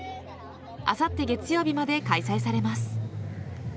あさって月曜日まで開催されます。